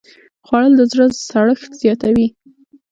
خوړل د زړه سړښت زیاتوي